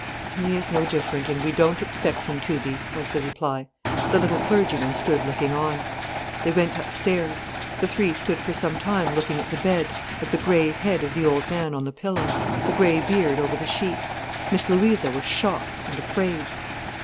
"He is no different—and we don't expect him to be," was the reply. The little clergyman stood looking on. They went upstairs. The three stood for some time looking at the bed, at the grey head of the old man on the pillow, the grey beard over the sheet. Miss Louisa was shocked and afraid.